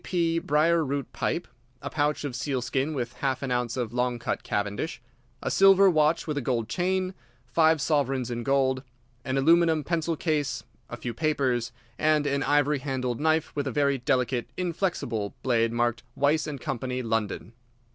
D.P. briar root pipe, a pouch of seal skin with half an ounce of long cut Cavendish, a silver watch with a gold chain, five sovereigns in gold, an aluminium pencil case, a few papers, and an ivory handled knife with a very delicate, inflexible blade marked Weiss & Co., London.